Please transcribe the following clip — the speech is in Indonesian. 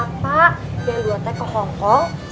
dia luatnya ke hongkong